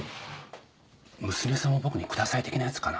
娘さんを僕に下さい的なやつかな？